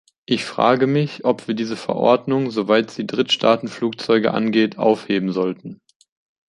Ich frage mich, ob wir diese Verordnung, soweit sie Drittstaatenflugzeuge angeht, aufheben sollten.